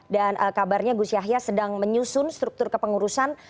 dan kabarnya gus yahya sedang menyusun struktur kepengurusan